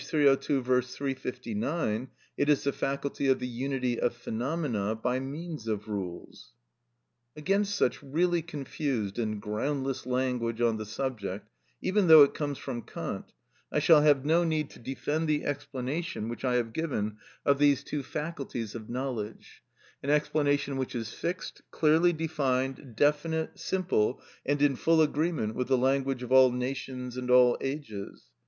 302; V. 359, it is the faculty of the unity of phenomena by means of rules. Against such really confused and groundless language on the subject (even though it comes from Kant) I shall have no need to defend the explanation which I have given of these two faculties of knowledge—an explanation which is fixed, clearly defined, definite, simple, and in full agreement with the language of all nations and all ages.